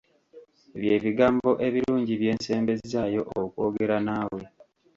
Bye bigambo ebirungi bye nsembezzaayo okwogera naawe.